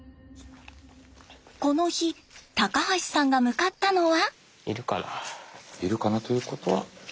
この日高橋さんが向かったのは。